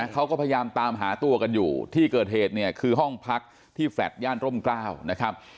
เขาก็พยายามตามหาตัวกันอยู่ที่เกิดเหตุเนี่ยคือห้องพักที่แฟลต์ย่านร่มกล้าวนะครับ